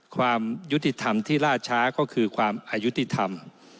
ความยุติธรรมที่ล่าช้าก็คือความอายุติธรรม